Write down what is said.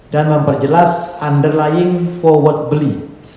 dan memperjelas underlying forward beli